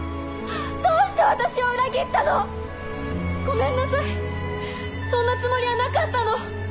どうして私を裏切ったの⁉ごめんなさいそんなつもりはなかったの。